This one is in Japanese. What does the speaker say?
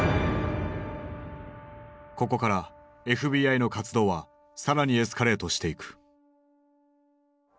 ここからＦＢＩの活動は更にエスカレートしていく。